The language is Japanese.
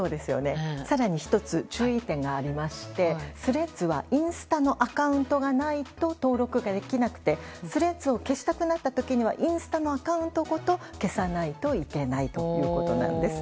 更に１つ注意点がありましてＴｈｒｅａｄｓはインスタのアカウントがないと登録ができなくてＴｈｒｅａｄｓを消したくなった時にはインスタのアカウントごと消さないといけないということです。